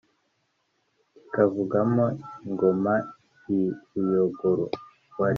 kikavugamo ingoma, i ruyogoro!